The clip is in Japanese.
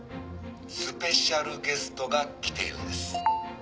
スペシャルゲストが来ているんです」